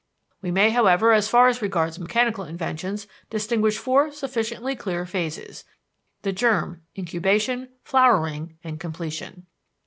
"We may, however, as far as regards mechanical inventions, distinguish four sufficiently clear phases the germ, incubation, flowering, and completion.